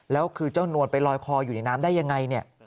แล้วคือเจ้านวลไปลอยคออยู่ในน้ำได้อย่างไร